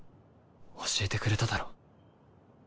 教えてくれただろ？